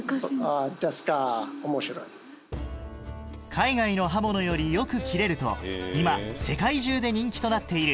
海外の刃物よりよく切れると今世界中で人気となっている